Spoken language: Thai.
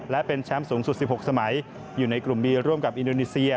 และเป็นแชมป์สูงสุด๑๖สมัยอยู่ในกลุ่มบีร่วมกับอินโดนีเซีย